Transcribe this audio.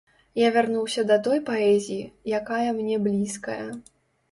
Я вярнуся да той паэзіі, якая мне блізкая.